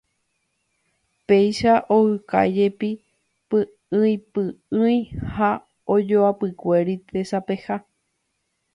Péicha okáijepi py'ỹipy'ỹi ha ojoapykuéri tesapeha.